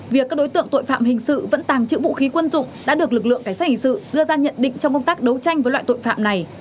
việc các đối tượng tội phạm hình sự vẫn tàng trữ vũ khí quân dụng đã được lực lượng cảnh sát hình sự đưa ra nhận định trong công tác đấu tranh với loại tội phạm này